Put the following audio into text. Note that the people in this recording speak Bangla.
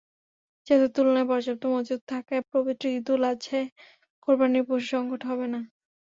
চাহিদার তুলনায় পর্যাপ্ত মজুত থাকায় পবিত্র ঈদুল আজহায় কোরবানির পশুর সংকট হবে না।